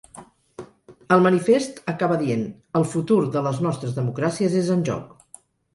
El manifest acaba dient: ‘El futur de les nostres democràcies és en joc.’